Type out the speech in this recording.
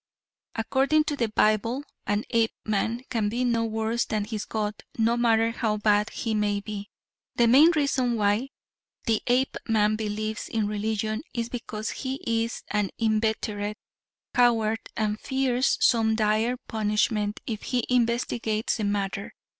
According to the Bible an Apeman can be no worse than his god no matter how bad he may be. The main reason why. the Apeman believes in religion is because he is an inveterate coward and fears some dire punishment if he investigates the matter.